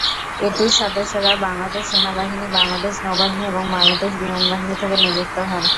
এটির সদস্যরা বাংলাদেশ সেনাবাহিনী, বাংলাদেশ নৌবাহিনী এবং বাংলাদেশ বিমান বাহিনী থেকে নিযুক্ত হন।